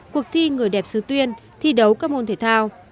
cuộc thi người đẹp sứ tuyên thi đấu các môn thể thao